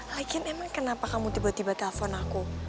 lagian emang kenapa kamu tiba tiba telepon aku